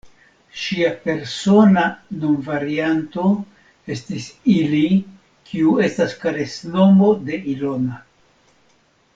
Ŝia persona nomvarianto estis "Ili," kiu estas karesnomo de Ilona.